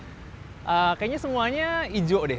kayaknya semuanya ijo deh